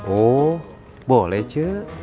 oh boleh cek